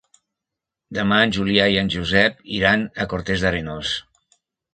Demà en Julià i en Josep iran a Cortes d'Arenós.